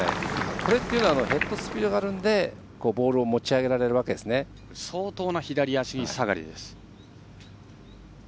これはヘッドスピードがあるのでボールを相当な左足下がりです。